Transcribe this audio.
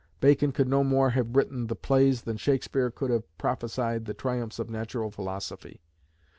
Bacon could no more have written the plays than Shakespeare could have prophesied the triumphs of natural philosophy.